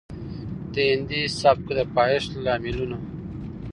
د هندي سبک د پايښت لاملونه